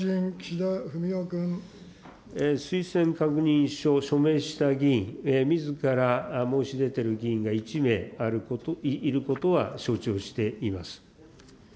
推薦確認書、署名した議員、みずから申し出てる議員が１名いることは承知をしています。